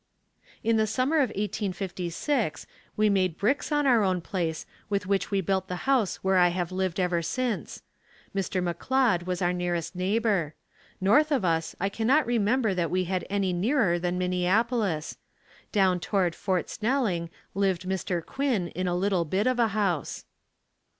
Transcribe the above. In the summer of 1856 we made bricks on our own place with which we built the house where I have lived ever since. Mr. McLeod was our nearest neighbor. North of us I cannot remember that we had any nearer than Minneapolis. Down toward Fort Snelling lived Mr. Quinn in a little bit of a house.